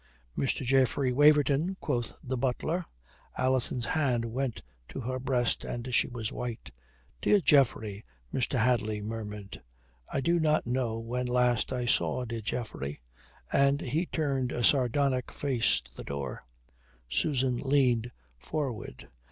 "Mr. Geoffrey Waverton," quoth the butler. Alison's hand went to her breast and she was white. "Dear Geoffrey!" Mr. Hadley murmured. "I do not know when last I saw dear Geoffrey," and he turned a sardonic face to the door. Susan leaned forward.